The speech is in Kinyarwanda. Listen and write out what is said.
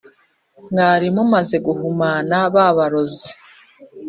mwarimumaze guhumana babaroze"